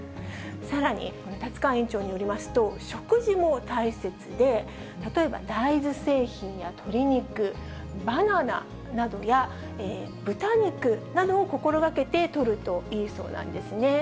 さらに、この立川院長によりますと、食事も大切で、例えば大豆製品や鶏肉、バナナなどや、豚肉などを心がけてとるといいそうなんですね。